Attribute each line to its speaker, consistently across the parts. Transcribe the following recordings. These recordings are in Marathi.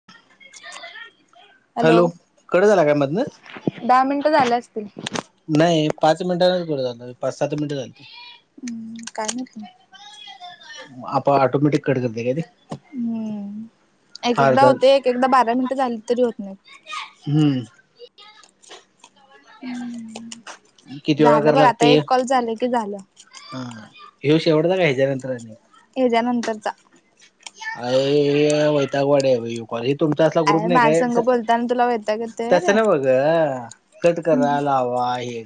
Speaker 1: [unintelligible]
Speaker 2: हॅलो कडे झाला काय मधनं
Speaker 1: दहा मिनटं झाल्या असतील
Speaker 2: नाही पाच मिनिटांनाच कर पाच सात मिनटं चालत
Speaker 1: हम्म काय नाही त
Speaker 2: आप आटोमॅटिक कट करते कायी
Speaker 1: हम्म एक एकदा
Speaker 2: झाल
Speaker 1: होते एक एकदा बारा मिनिटं झाली तरी होत नाही
Speaker 2: हम्म
Speaker 1: ह्
Speaker 2: किती वेळा
Speaker 1: झालं
Speaker 2: कराय
Speaker 1: बघ आता
Speaker 2: लागतय
Speaker 1: एक कॉल झालं की झालं
Speaker 2: हा हूशेवढाता का ह्याच्यानंतरनी
Speaker 1: येद्या नंतरचा
Speaker 2: अ वैतागवाडे आहे र हे तुमचा असला ग्रुप
Speaker 1: अय
Speaker 2: नाही
Speaker 1: माझ्या
Speaker 2: काय
Speaker 1: संघ बोलताना तुला वैताग येतोय व्हय
Speaker 2: तसं
Speaker 1: रे.
Speaker 2: नाही बघ कट करा लाव हो आहे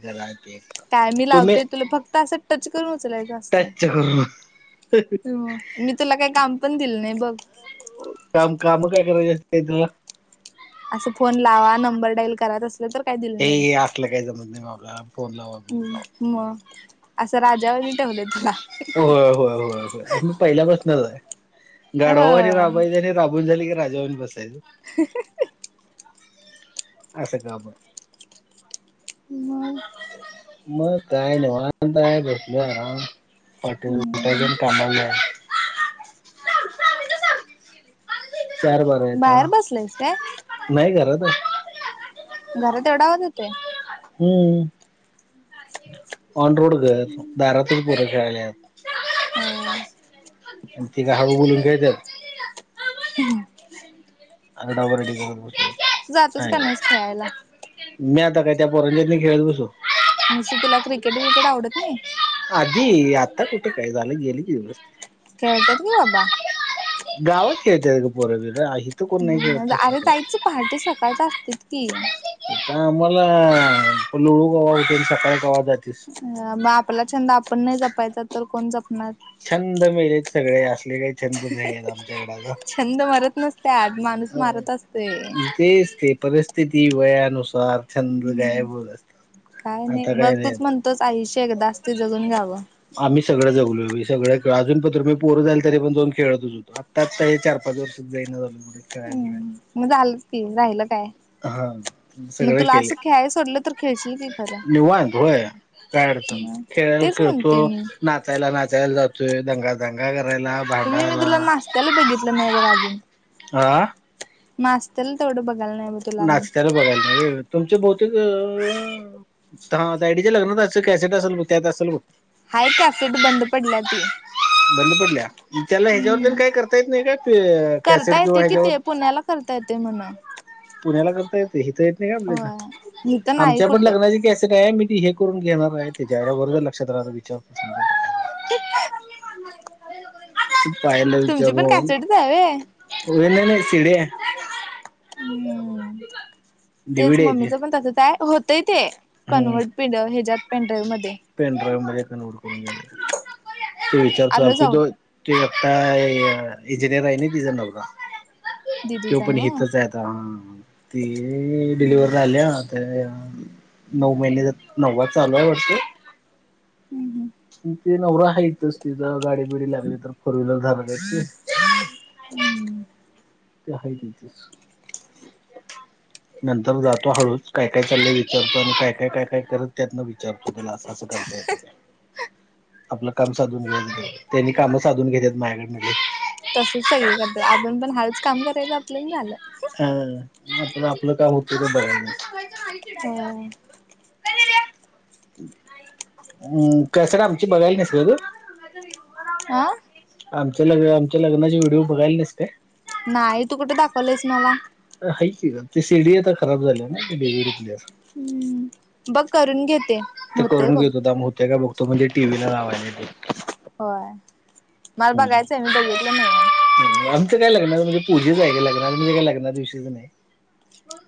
Speaker 1: काय मी लावतोय तुला फक्त असं टच करून उचलायचं असत
Speaker 2: ह हा ह
Speaker 1: मी तुला काही काम पण दिलं नाही बघ
Speaker 2: काम काम काय करायचे अस त
Speaker 1: असं फोन लावा नंबर डाईल करा त तर काय दि
Speaker 2: हे असलं काय ज म्हणज आपला
Speaker 1: हम् मग असं राजावरनी ठेवलं तुला
Speaker 2: हो होय हो म पहिल्या प्रश्नच आहे गड आणि
Speaker 1: ह
Speaker 2: राबय राबून झाली की राजाहून बसायच
Speaker 1: ह
Speaker 2: अससं का ब
Speaker 1: मग
Speaker 2: मग काय नाहीवाता बसलो आराम पाटठ्याच्याण
Speaker 1: निवांत.
Speaker 2: कामाला चार बारं येत
Speaker 1: बाहेर बसलायस काय
Speaker 2: नाही खरात
Speaker 1: घरात एवढा होत होते
Speaker 2: होम ऑन रोड घ दारातील पुरे खेळाले आहेत
Speaker 1: हो ना
Speaker 2: आणि तिका हळू बोलून का त्या
Speaker 1: हम् हम
Speaker 2: आगडार ब
Speaker 1: जातोच क नाहीच खेळायला
Speaker 2: मी आता काय त्या परंजीत नाही खेळत बसू
Speaker 1: ं तुला क्रिकेट व्रिकेट आवडत नाही
Speaker 2: आधी आता कुठे काय झालं गेली की दिस
Speaker 1: खेळतात कि बाबा
Speaker 2: गावात खेळत्यात ग पोर तिथ
Speaker 1: अरे जायच पहाटे सकाळच असते की
Speaker 2: आ आम्हाला लोहळू कवि होते सकाळी गावात जातेीलस
Speaker 1: अ मग आपला छंद आपण नाही जपायचा तर कोण जपणार
Speaker 2: छंद मेलेत सगळे असले काही छंद नाही आमच्याकडे आता
Speaker 1: छंद मरत नसत्यात माणूस मारत असतोय
Speaker 2: तेच ते पर स्थिती वयानुसार छंद
Speaker 1: हम्म.
Speaker 2: गायब असत आता काय
Speaker 1: बघ
Speaker 2: नाही
Speaker 1: तूच
Speaker 2: आता
Speaker 1: म्हणतोस आयुष्य एकदाच ते जगून घ्यावं
Speaker 2: आम्ही सगळं जगलो सगं अजून पतूर मी पोरं जाल तरी पण जाोन खेळच होतो आता आता हे चार पाच वर्षात जाई झा खेळाय
Speaker 1: हम्म, मग झालच की राहिलं काय
Speaker 2: हा
Speaker 1: मग
Speaker 2: सगळे
Speaker 1: तुला
Speaker 2: केले
Speaker 1: असं खेळायला सोडलं तर खेळशील की खरं
Speaker 2: निवांत होय काय अडचण नाही
Speaker 1: मग
Speaker 2: खेळ
Speaker 1: तेच
Speaker 2: खेळतो
Speaker 1: म्हणतोय मी
Speaker 2: नाचायला नाचायला जातोय दंगा दंगा करायला भांडायला
Speaker 1: त्याला बघितलं नाही बघा अजून
Speaker 2: आह
Speaker 1: नाचतेल तेवडं बघाल नाही बघ तुला अजून
Speaker 2: नाचतेला बघायला तुमचे बहतेक हा तायडीचे लग्नत असं कॅसेट असेल त्यात असेल ब
Speaker 1: हाय कॅसेट बंद पडल्या ती
Speaker 2: बंद पडल्या त्याला ह्याच्यावर
Speaker 1: हम्म
Speaker 2: काही करता येत नाही का कॅसेट
Speaker 1: करता
Speaker 2: किंवा
Speaker 1: येते कि
Speaker 2: ह्याच्यावर
Speaker 1: ते पुण्याला करता येते म्हण
Speaker 2: पुण्याला करता येते हित तर येत नाही का आपल्या
Speaker 1: होय
Speaker 2: इथ
Speaker 1: इथं नाही
Speaker 2: आमच्या पण
Speaker 1: कुठं
Speaker 2: लग्नाची कॅसेट आहे मी त हे करून घेणार आहे त्याच्या बर झालं लक्षात रा विचार
Speaker 1: ह [unintelligible]
Speaker 2: ह [unintelligible] तू पायला [unintelligible]
Speaker 1: तुमची पण कासडीच आहे हवे
Speaker 2: होन ना सिडी आहे
Speaker 1: हम्म तेच
Speaker 2: डीव्हीडी आहे ती
Speaker 1: मम्मीच पण होतय ते
Speaker 2: हम्म.
Speaker 1: कन्व्हर्ट प्याच्या्यात पेनड्राईव्ह मध्ये
Speaker 2: पेन ड्राईव्ह मध्येकरून त
Speaker 1: आलो
Speaker 2: विचारत
Speaker 1: जाऊन
Speaker 2: ते आता इंजिनेिअर आहे ना तिचा नवरा तो
Speaker 1: दिदीचा
Speaker 2: पण
Speaker 1: नव्ह
Speaker 2: हितच आहे आ ती डिलिवरर झाल्या तर नऊ महिने नव्वा चालू आहे वरष त नवरा हायच तिथं गाडी बिडी लागली तर फोर व्हीलर झार
Speaker 1: हम्म [unintelligible]
Speaker 2: ते ह तचीस [unintelligible] नंतर जातो हळूच काय काय चाललंय विचारतो आणि काय काय काय काय करत त्यातन विचारतो त्याला असं असं करता येतेय का आपलं काम साधून घ त्यांनी काम साधून घेतत्यात माझ्याकडमध्ये
Speaker 1: तसच सगळी करत आपण पण हाळूच काम करायचं आपल्या आण झालं.
Speaker 2: हा आपलं आपलं काम हूपर्यंत बर हाय.
Speaker 1: होय
Speaker 2: कणी रे अम कँसेट आमची बघायला नाहीस त
Speaker 1: आं
Speaker 2: आमच्या लग् आमच्या लग्नाचे व्हिडिओ बघायला नाहीस काय
Speaker 1: नाही तू कुठं दाखवलंयस मला.
Speaker 2: हाय की गं ते सिडी आता खराब झाल्या ना ते [unintelligible]
Speaker 1: हम्म बघ करून घेते
Speaker 2: ते
Speaker 1: होतय
Speaker 2: करून
Speaker 1: बघ.
Speaker 2: घेत होता म होत्या काय बघतो म्हणजे टी. व्ही ला लावायला येतय.
Speaker 1: होय मला
Speaker 2: हम्म.
Speaker 1: बघायचंय मी बघितलं नाही.
Speaker 2: ग्नचं काय लग्नाचं म्हणजे पूजेच आहे गं लग्नाचं म्हजे काय लग्ना दिवशीच नाही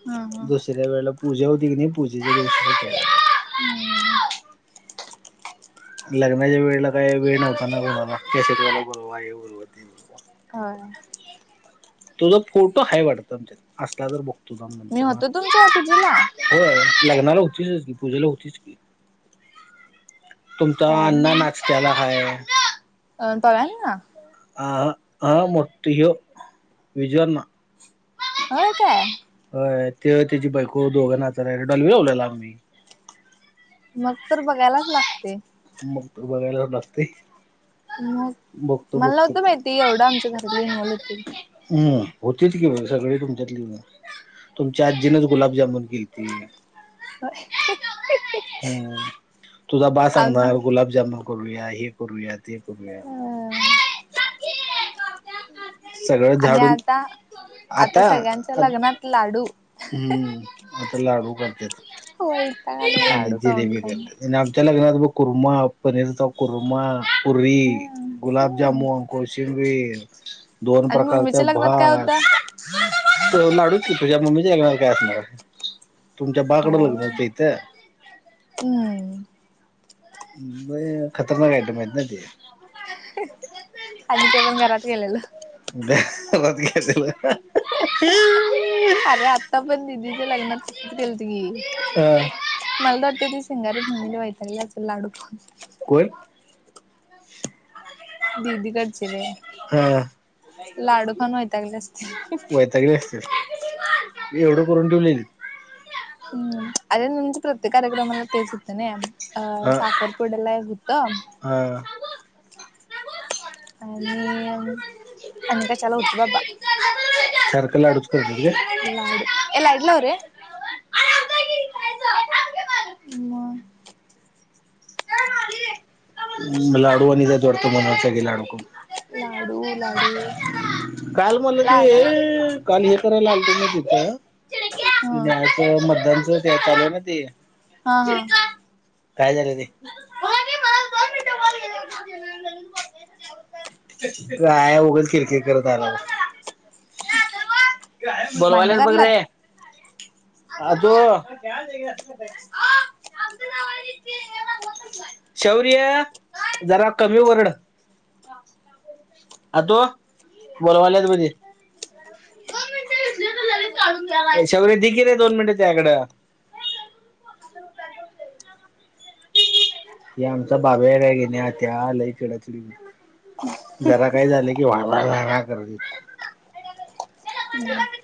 Speaker 1: हा हा.
Speaker 2: दुसऱ्या वेळेला पूजा होती कनी पूजेच्या दिवशी [unintelligible]
Speaker 1: हम्म
Speaker 2: लग्नाच्या वेळेला काय वेळ नव्हता ना कुणाला कॅसेटवाल्याला बोलवा हे बोलवा ते बोलवा
Speaker 1: होय.
Speaker 2: तुजा फोटो हाय वाटत आमच्यात आसला तर बघतो थांब
Speaker 1: मी
Speaker 2: नंतरन
Speaker 1: होतो तुमच्या पूजेला
Speaker 2: व्हय लग्नाला होतीचच की पूजेला होतीच की तुमचा
Speaker 1: काय
Speaker 2: अण्णा नाचत्याला हाय.
Speaker 1: अ [unintelligible] अण्णा
Speaker 2: आ हा आ मोठी ह्यो विजू अण्णा.
Speaker 1: होय काय.
Speaker 2: होय तो त्याची बायको दोघं नाचा लागलेली डॉल्बी लावलेला आम्ही.
Speaker 1: मग तर बघायलाच लागते.
Speaker 2: मग तर [unintelligible]
Speaker 1: मग मला नव्हतं माहिती एवढं आमच्या घरातली इन्व्होल होती.
Speaker 2: हम्म्म होतीत की सगळी तुमच्यातली. तुमच्या आजीनच गुलाबजामून केलती.
Speaker 1: [unintelligible]
Speaker 2: हम् तुझा बा सांगणार
Speaker 1: आम्ही
Speaker 2: गुलाबजामुन करूया हे करूया ते करूया
Speaker 1: अ [inaudible]
Speaker 2: सगळं
Speaker 1: आणि
Speaker 2: झाडून
Speaker 1: आता आता सगळ्यांच्या लग्नात लाडू
Speaker 2: हम्म आता लाडू बांधत्यात.
Speaker 1: वयताक आलाय लाडू खाऊन.
Speaker 2: आणि आपल्याला घरात ब कुरमा, पनीरचा कुरमा पुरी,
Speaker 1: हम्म
Speaker 2: गुलाबजामून, कोशिंबीर दोन
Speaker 1: आणि
Speaker 2: प्रकारचा
Speaker 1: मम्मीच्या लग्नात काय होतं?
Speaker 2: भात लाडू [unintelligible] तुझ्या मम्मीच्या घरात काय असणार? तुमच्या बाकडं
Speaker 1: काय
Speaker 2: लग्न होत इथं?
Speaker 1: हम्म
Speaker 2: लई खतरनाक आयटम आहेत ना ते.
Speaker 1: आणि ते पण घरात गेलेलो.
Speaker 2: दारात [unintelligible] दिलं
Speaker 1: आरे आता पण दिदीच्या लग्नात केेलत की. मला तर वाटतय ती शिंगारी फॅमिली वैतागली आसाल लाडू खाऊन.
Speaker 2: कोय
Speaker 1: दिदी कडचे रे
Speaker 2: हा
Speaker 1: लाडू खाऊन वैतागले आसतील.
Speaker 2: वैतागले आसतील एवढं करून ठेवलेलित
Speaker 1: हम्म आरे [unintelligible] प्रत्येक कार्यक्रमला तेच होत नाही. अ साखरपुड्याला एक हुतं,
Speaker 2: ह
Speaker 1: आणि अने का चला होतो बाबा
Speaker 2: सरकला अडचकडते
Speaker 1: लाड ए लाईट लाव रे. मग
Speaker 2: लाडू आणि ज [unintelligible] म्हना सगळे लाडू खाऊन.
Speaker 1: लाडू लाडू
Speaker 2: काल म्हला की
Speaker 1: लाडू
Speaker 2: हे, काल हे करायला आलत ना तिथं
Speaker 1: ह
Speaker 2: न्याच मतदान यानच ते चालू ना ते
Speaker 1: हा हा
Speaker 2: काय झालं ते, [inaudible] काय उघच किरकि करत आलावर
Speaker 1: [inaudible] भांडण
Speaker 2: बोलवालेच बघ
Speaker 1: करायल्यात
Speaker 2: रे अ तो जरा कमी वरड आतो बोलवाल्यात मध्ये [inaudible] हे आमचा बाबा्या का घेण्या त्या आलाय खिडच जरा काय झालं की वला ना करज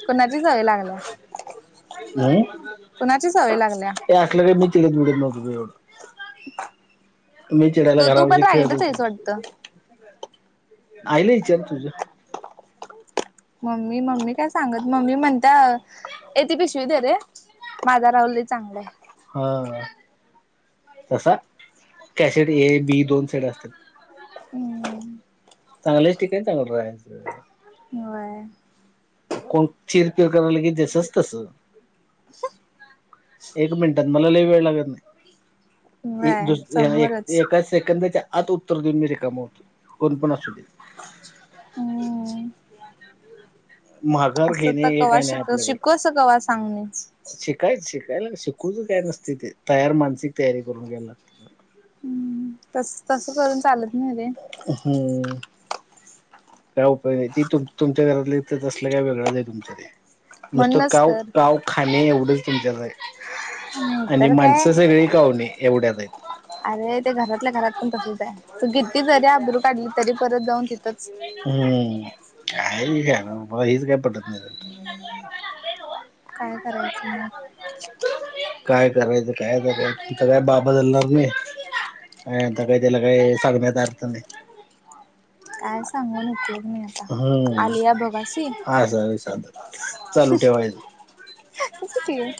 Speaker 1: कोणाची सवय लागला
Speaker 2: अ [inaudible]
Speaker 1: कुणाची सवय लागल्या
Speaker 2: हे असलं क का मी चिडत बिडत नव्हतो तुझ्या वर चिडायला
Speaker 1: तू तू
Speaker 2: घरापाशी
Speaker 1: पण
Speaker 2: खेळत
Speaker 1: रागिटचस वाटतं
Speaker 2: आहिला विचार तुझं
Speaker 1: मम्मी मम्मी काय सांगत मम्मी म्हणते त्या येते पिशवी दे रे माझा राहूलही चांगलं आहे,
Speaker 2: हा तसा कॅसेट ए बी दोन सेड असतात.
Speaker 1: हम्म
Speaker 2: चांग लिस्टिक चांग रा
Speaker 1: होय.
Speaker 2: कोण चिर पिर करायला के जसंस तसं एक मिनिटात मलालाही वेळ लागत नाही
Speaker 1: व्हय
Speaker 2: दुस
Speaker 1: समोरच
Speaker 2: एकाच सेकंदाच्या आत उत्तर देऊन मी रिकाम हो कोणपण असू दे.
Speaker 1: हम्म
Speaker 2: माघार
Speaker 1: असं
Speaker 2: घेणे
Speaker 1: तर
Speaker 2: हे
Speaker 1: कवा
Speaker 2: काय
Speaker 1: शिक शिकू अस कवा सांगणे.
Speaker 2: शिकायचं शिकायला शिकूच काय नसते ते तयार मानसिक तयारी करून गला..
Speaker 1: हम्म तस तस करून चालत नाही रे
Speaker 2: हो काय उपाय नाही त तुमच्या घरात असलं काय वेगळंच आहे तुमच्या ते. नुसतं
Speaker 1: म्हणूनच
Speaker 2: काव
Speaker 1: तर
Speaker 2: काव खाणे एवढंच तुमच्याच.
Speaker 1: नाही
Speaker 2: आणि
Speaker 1: तर काय
Speaker 2: माणसं सगळी काऊणे एवढ्यात आहेत.
Speaker 1: अरे ते घरातल्या घरात पण तसच आहे तू घेतली जरी आबरू काढली तरी परत जाऊन तिथंच.
Speaker 2: हम्म काय मला हेच काय पटडत नाही.
Speaker 1: काय करायचं मग!
Speaker 2: काय करायचं काय करायचं तुमच काय बा बदलणार नाही. तब्येतीला सांगण्यात अर्थ नाही
Speaker 1: काय सांगून उपयोग नाय
Speaker 2: हम्म
Speaker 1: आलिया भोगासी
Speaker 2: हा सर साध चालू ठेवायचं
Speaker 1: हम [inaudible]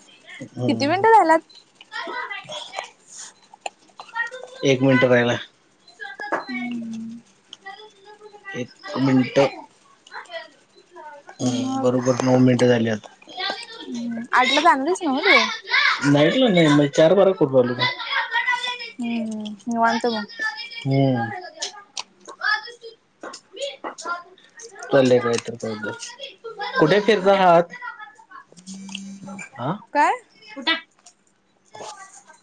Speaker 2: हम्म एक मिनट रायला
Speaker 1: हम्म
Speaker 2: एक मिनिट हम
Speaker 1: मग
Speaker 2: बरोबर नऊ मिनिटं झाली आता
Speaker 1: आठला तर आणच नव तो
Speaker 2: नाहीईटला नाही म चार बारा करुन आलो
Speaker 1: हम्म वात मग
Speaker 2: हम्म चाले काय तर कायदा कुठे फिरत आहात. आ
Speaker 1: काय
Speaker 2: उठा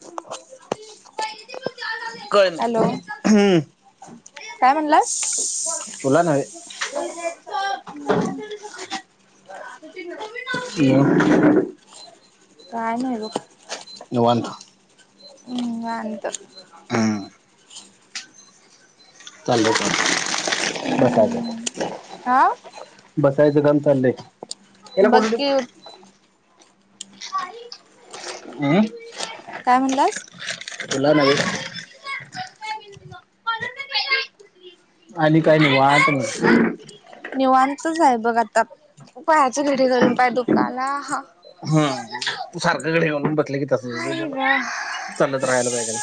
Speaker 1: हो
Speaker 2: क
Speaker 1: काय म्हणलास
Speaker 2: नाही हम्म तुला नवे [inaudible]
Speaker 1: काय नाही ओ
Speaker 2: निवांत
Speaker 1: ह निवांत.
Speaker 2: हम्म चालाय काम बसायचं
Speaker 1: हम्म हा
Speaker 2: बसायचं काम चाललंय. याला
Speaker 1: बघ
Speaker 2: कुठं
Speaker 1: की
Speaker 2: ठेवू आम्
Speaker 1: काय म्हणलास
Speaker 2: तुला नाही. आणि काय निवांत
Speaker 1: निवांतच आहे बघ आता पायाची घडी घालून पाय दुकाला हा?
Speaker 2: हम तू सारखं घडी घालून बसले की तस
Speaker 1: आहे
Speaker 2: होतय
Speaker 1: ग
Speaker 2: चालत राहायला पाहिजे.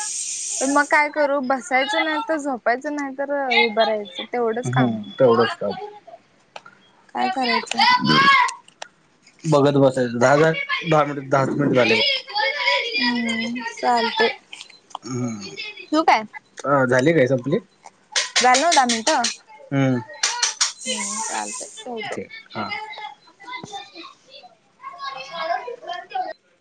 Speaker 1: मग काय करू बसायचं नाही तर, झोपायचं नाही तर, उभं राहायचं तेवढंच काम
Speaker 2: हम्
Speaker 1: आहे
Speaker 2: तेवढंच का?
Speaker 1: काय करायचं!
Speaker 2: बघत बसायचं दहा दहा मिन दहा मिनिट झाले.
Speaker 1: हम्म चालते.
Speaker 2: हम्
Speaker 1: ठेवू काय
Speaker 2: अ झाले काय संपले
Speaker 1: झाले दहा मिनटं -
Speaker 2: हम्म
Speaker 1: हम्म चालतय ठेवतो.
Speaker 2: ते हां
Speaker 1: [inaudible]